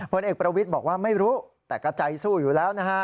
ผลเอกประวิทย์บอกว่าไม่รู้แต่ก็ใจสู้อยู่แล้วนะฮะ